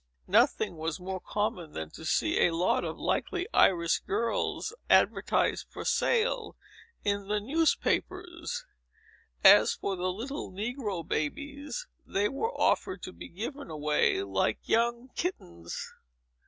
Nothing was more common than to see a lot of likely Irish girls, advertised for sale in the newspapers. As for the little negro babies, they were offered to be given away, like young kittens."